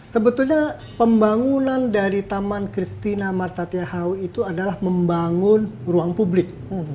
sebetulnya pembangunan dari taman christina marta tiahao itu adalah membangun ruang publik